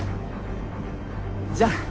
じゃあ！